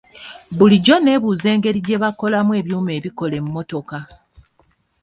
Bulijjo neebuuza engeri gye bakolamu ebyuma ebikola emmotoka.